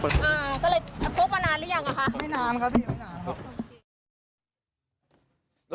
อ่าก็เลยพกมานานหรือยังอ่ะคะไม่นานครับพี่ไม่นานครับ